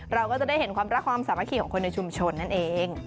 เราก็จะได้เห็นความรักความสามัคคีของคนในชุมชนนั่นเอง